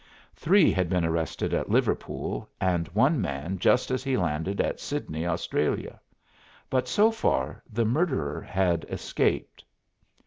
Three had been arrested at Liverpool, and one man just as he landed at Sydney, Australia. But so far the murderer had escaped.